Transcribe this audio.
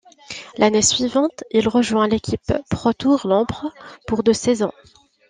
L'année suivante, il rejoint l'équipe ProTour Lampre pour deux saisons.